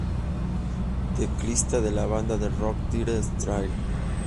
Teclista de la banda de rock Dire Straits.